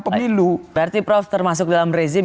pemilu berarti prof termasuk dalam rezim